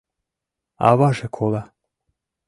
Аваже кола.